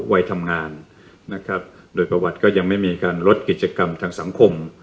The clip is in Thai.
วัยทำงานนะครับโดยประวัติก็ยังไม่มีการลดกิจกรรมทางสังคม